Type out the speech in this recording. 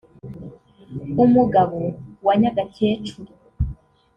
umugabo wa Nyagakecuru